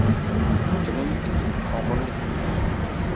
• Bilim og‘irlik qilmaydi.